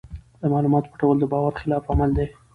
د معلوماتو پټول د باور خلاف عمل دی.